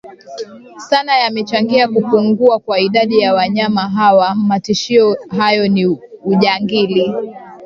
sana yamechangia kupungua kwa idadi ya wanyama hawa Matishio hayo ni ujangili